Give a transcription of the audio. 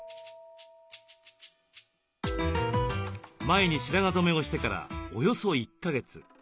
前に白髪染めをしてからおよそ１か月。